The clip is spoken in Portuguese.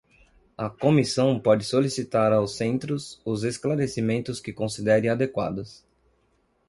A Comissão pode solicitar aos centros os esclarecimentos que considere adequados.